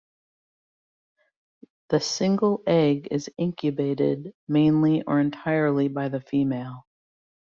The single egg is incubated mainly or entirely by the female.